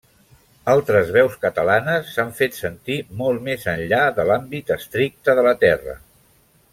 Altres veus catalanes s'han fet sentir molt més enllà de l'àmbit estricte de la terra.